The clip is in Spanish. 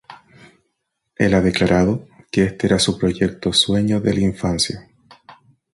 Él ha declarado que este era su proyecto sueño de la infancia.